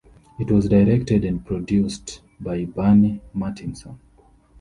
It was directed and produced by Burny Mattinson.